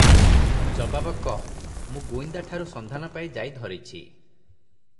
ଜବାବ କଃ - ମୁଁ ଗୁଇନ୍ଦାଠାରୁ ସନ୍ଧାନ ପାଇ ଯାଇ ଧରିଛି ।